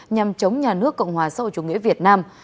nhằm chống nhà nước cộng hòa sau chủ nghĩa việt nam